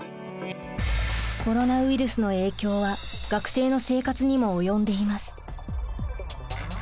コロナウイルスの影響は学生の生活にも及んでいます。